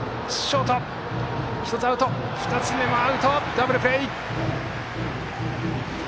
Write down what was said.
ダブルプレー。